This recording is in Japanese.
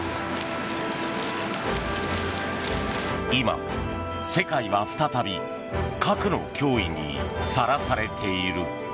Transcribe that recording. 今、世界は再び核の脅威にさらされている。